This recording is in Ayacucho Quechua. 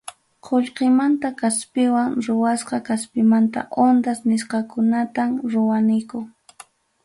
Qullqimanta kaspiwan kuyusqa kaspimanta ondas nisqakunatam ruwaniku.